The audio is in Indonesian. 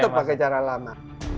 tetap pakai cara lama